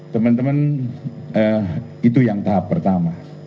teman teman itu yang tahap pertama